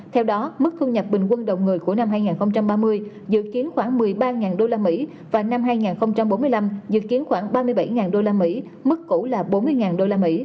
theo đó mức thu nhập bình quân đầu người của năm hai nghìn ba mươi dự kiến khoảng một mươi ba usd và năm hai nghìn bốn mươi năm dự kiến khoảng ba mươi bảy usd mức cũ là bốn mươi usd